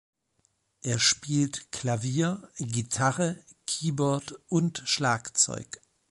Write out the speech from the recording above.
Er spielt Klavier, Gitarre, Keyboard und Schlagzeug.